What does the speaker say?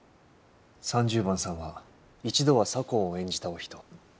３０番さんは一度は左近を演じたお人。